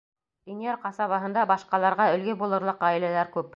Инйәр ҡасабаһында башҡаларға өлгө булырлыҡ ғаиләләр күп.